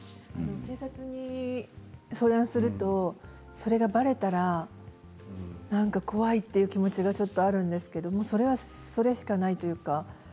警察に相談をするとそれが、ばれたら何か怖いっていう気持ちがちょっとあるんですけどそれは、それしかないというか。